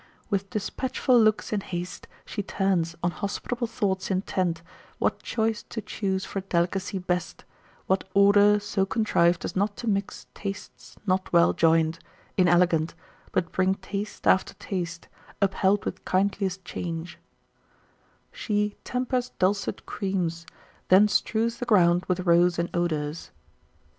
.... With dispatchful looks in haste She turns, on hospitable thoughts intent, What choice to choose for delicacy best, What order so contrived as not to mix Tastes not well join'd, inelegant, but bring Taste after taste, upheld with kindliest change "She tempers dulcet creams.... .... _then strews the ground With rose and odours.